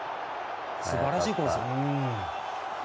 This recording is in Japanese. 素晴らしいコース。